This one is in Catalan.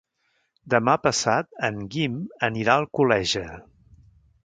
Demà passat en Guim anirà a Alcoleja.